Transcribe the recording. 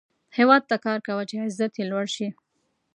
هیواد ته کار کوه، چې عزت یې لوړ شي